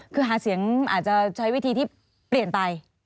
คือหาเสียงอาจจะใช้วิธีที่เปลี่ยนไป